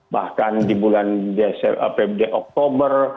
bahkan di bulan oktober